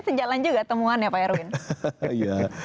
sejalan juga temuan ya pak erwin